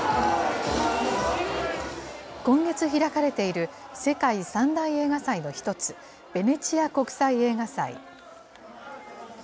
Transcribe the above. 今月開かれている世界３大映画祭の１つ、ベネチア国際映画祭。